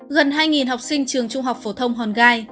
gần hai học sinh trường trung học phổ thông hòn gai